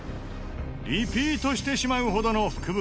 リピートしてしまうほどの福袋。